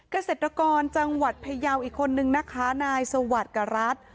เกษตรกรจังหวัดพยาวอีกคนนึงนะคะนายสวัสดิ์กรัฐ